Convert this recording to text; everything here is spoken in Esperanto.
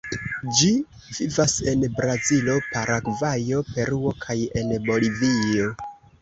Ĝi vivas en Brazilo, Paragvajo, Peruo kaj en Bolivio.